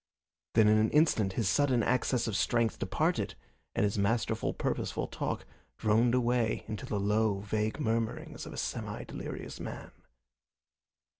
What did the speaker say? Then in an instant his sudden access of strength departed, and his masterful, purposeful talk droned away into the low, vague murmurings of a semi delirious man.